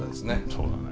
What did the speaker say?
そうだね。